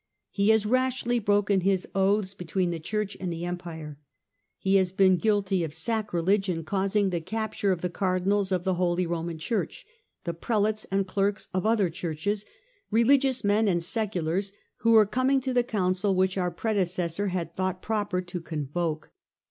He has rashly broken his oaths between the Church and the Empire. He has been guilty of sacrilege, in causing the capture of the Cardinals of the holy Roman Church, the Prelates and clerks of other Churches, religious men, and seculars, who were coming to the Council which our predecessor had thought proper to convoke.